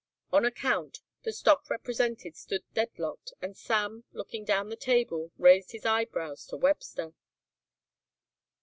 On a count the stock represented stood deadlocked and Sam, looking down the table, raised his eyebrows to Webster.